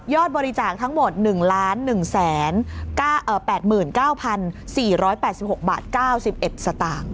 บริจาคทั้งหมด๑๑๘๙๔๘๖บาท๙๑สตางค์